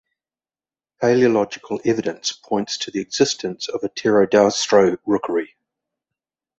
Paleological evidence points to the existence of a pterodaustro rookery.